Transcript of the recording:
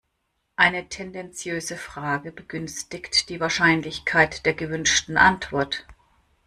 Eine tendenziöse Frage begünstigt die Wahrscheinlichkeit der gewünschten Antwort.